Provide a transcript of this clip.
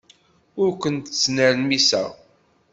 Ur kent-ttnermiseɣ.